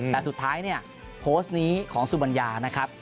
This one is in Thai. แต่สุดท้ายเนี่ยโพสต์นี้ของสุบัญญานะครับ